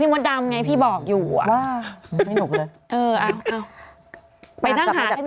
ไปนั่งหาตั้งใหญ่อ่ะตอนเนี้ย